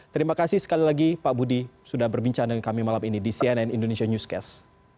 terima kasih sekali lagi pak budi sudah berbincang dengan kami malam ini di cnn indonesia newscast